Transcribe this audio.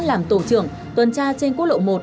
làm tổ trưởng tuần tra trên quốc lộ một